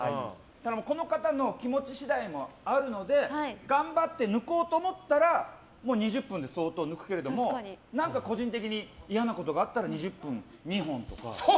この方の気持ち次第もあるので頑張って抜こうと思ったらもう２０分で相当抜くけども個人的に嫌なことがあったら２０分２本とか。